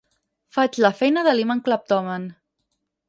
Faig la feina de l'imant cleptòman.